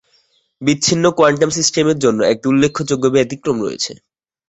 বিচ্ছিন্ন কোয়ান্টাম সিস্টেমের জন্য একটি উল্লেখযোগ্য ব্যতিক্রম রয়েছে।